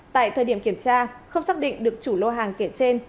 tại thời điểm kiểm tra không xác định được chủ lô hàng kể trên